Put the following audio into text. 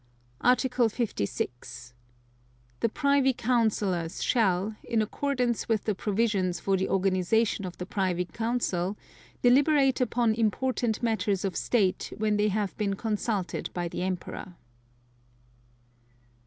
Article 56. The Privy Councillors shall, in accordance with the provisions for the organization of the Privy Council, deliberate upon important matters of State when they have been consulted by the Emperor.